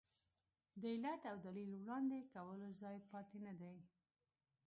د علت او دلیل وړاندې کولو ځای پاتې نه دی.